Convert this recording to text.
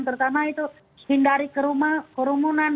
terutama itu hindari kerumunan